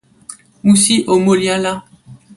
musi o moli ala.